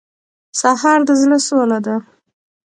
سهار د زړه سوله ده.